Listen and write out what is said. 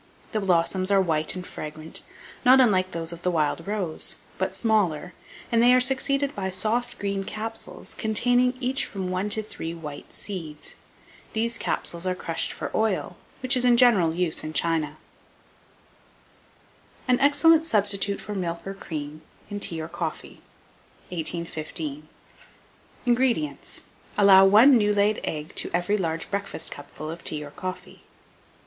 The blossoms are white and fragrant, not unlike those of the wild rose, but smaller; and they are succeeded by soft green capsules, containing each from one to three white seeds. These capsules are crushed for oil, which is in general use in China. [Illustration: TEA.] AN EXCELLENT SUBSTITUTE FOR MILK OR CREAM IN TEA OR COFFEE. 1815. INGREDIENTS. Allow 1 new laid egg to every large breakfast cupful of tea or coffee.